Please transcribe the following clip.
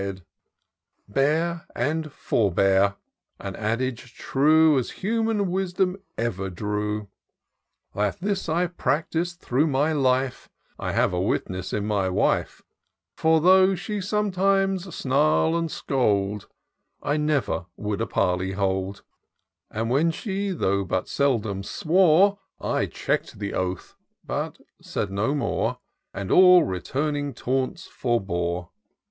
Y Y 346 TOUR OF DOCTOR SYNTAX " Bear and forbear, — an adage true As human wisdom ever drew ! That this I've practised through my life, I have a witness in my wife ; For though she'd sometimes snarl and scold, I never would a parley hold ; And when she, though but seldom, swore, I checked the oath, but said no more, And all returning taunts forbore.